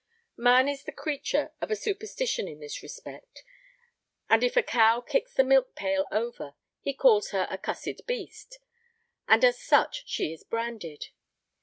Man is the creature of a superstition in this respect, and if a cow kicks the milk pail over he calls her "a cussed beast," and as such she is branded.